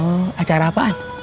oh acara apaan